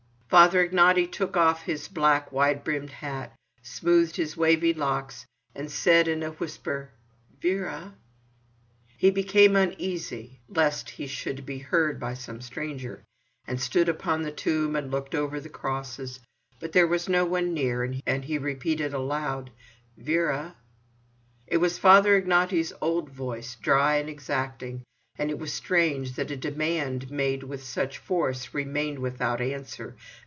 Father Ignaty took off his black wide brimmed hat, smoothed his wavy locks, and said in a whisper: "Vera!" He became uneasy lest he should be heard by some stranger, and stood upon the tomb and looked over the crosses. But there was no one near, and he repeated aloud: "Vera!" It was Father Ignaty's old voice, dry and exacting, and it was strange that a demand made with such force remained without answer.